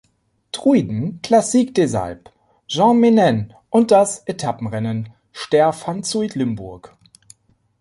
Truiden, Classique des Alpes, Gent-Menen und das Etappenrennen Ster van Zuid-Limburg.